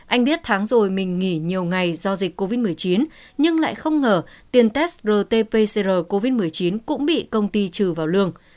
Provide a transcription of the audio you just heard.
anh biết tháng rồi mình nghỉ nhiều ngày do dịch covid một mươi chín nhưng lại không ngờ tiền test rt pcr covid một mươi chín cũng bị công ty trừ vào lương